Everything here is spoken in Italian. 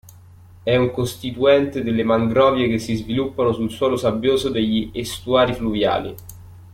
È un costituente delle mangrovie che si sviluppano sul suolo sabbioso degli estuari fluviali.